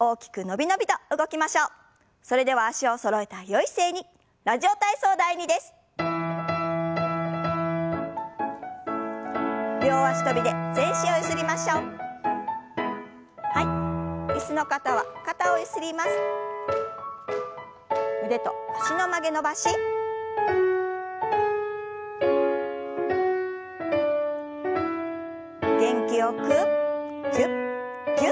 元気よくぎゅっぎゅっと。